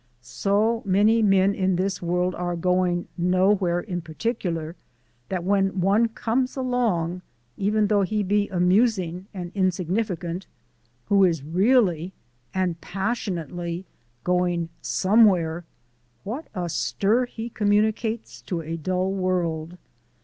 So many men in this world are going nowhere in particular that when one comes along even though he be amusing and insignificant who is really (and passionately) going somewhere, what a stir he communicates to a dull world!